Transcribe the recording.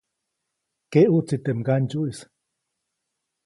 Keʼuʼtsi teʼ mgandsyuʼis.